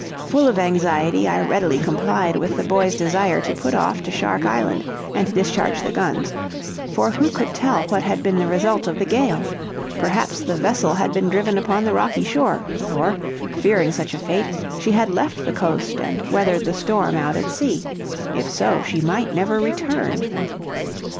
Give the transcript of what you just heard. Full of anxiety, I readily complied with the boys' desire to put off to Shark Island and discharge the guns; for who could tell what had been the result of the gale; perhaps the vessel had been driven upon the rocky shore, or, fearing such a fate, she had left the coast and weathered the storm out at sea; if so, she might never return.